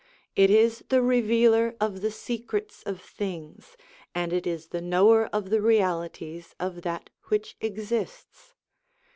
It is the revealer of the secrets of things, and it is the knower of the realities of that which exists.